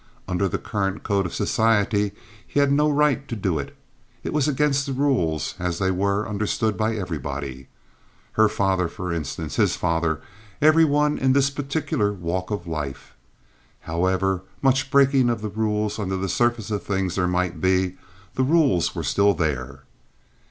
Under the current code of society he had no right to do it. It was against the rules, as they were understood by everybody. Her father, for instance—his father—every one in this particular walk of life. However, much breaking of the rules under the surface of things there might be, the rules were still there.